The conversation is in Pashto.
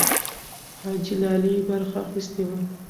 حاجي لالی برخه اخیستې وه.